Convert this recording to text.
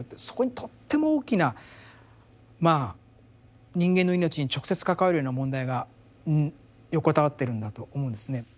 そこにとっても大きな人間の「いのち」に直接関わるような問題が横たわってるんだと思うんですね。